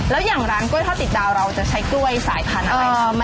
แล้วอย่างร้านกล้วยทอดติดดาวเราจะใช้กล้วยสายพันธุ์อะไร